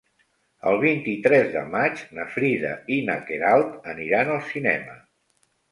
El vint-i-tres de maig na Frida i na Queralt aniran al cinema.